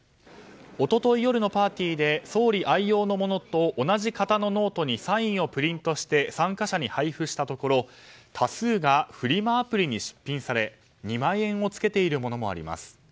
一昨日夜のパーティーで総理愛用のものと同じ型のノートにサインをプリントして参加者に配布したところ多数がフリマアプリに出品され２万円を付けているものもあります。